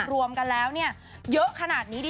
รวมกันแล้วเยอะขนาดนี้